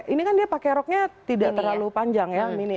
ini kan dia pakai roknya tidak terlalu panjang ya